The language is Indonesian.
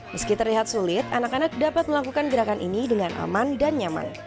meski terlihat sulit anak anak dapat melakukan gerakan ini dengan aman dan nyaman